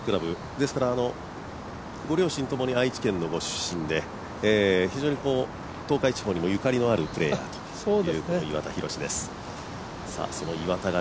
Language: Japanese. ですからご両親ともに愛知県ご出身で非常に東海地方にもゆかりのあるプレーヤーという岩田寛です。